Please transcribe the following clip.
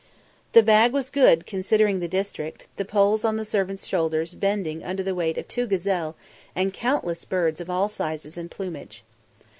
The bag was good considering the district, the poles on the servants' shoulders bending under the weight of two gazelle and countless birds of all sizes and plumage.